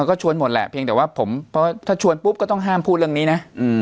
ก็ชวนหมดแหละเพียงแต่ว่าผมเพราะว่าถ้าชวนปุ๊บก็ต้องห้ามพูดเรื่องนี้นะ